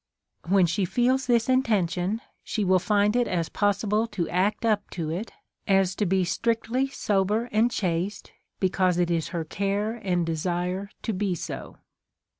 ^Vhen she feels this intention, she will find it as pos sible to act up to it, as to be strictly sober and chaste^ because it is her care and desire to be so.